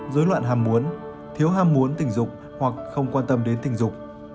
dối loạn hàm muốn thiếu ham muốn tình dục hoặc không quan tâm đến tình dục